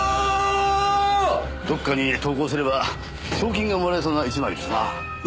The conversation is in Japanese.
どっかに投稿すれば賞金がもらえそうな１枚ですな。